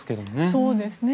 そうですね。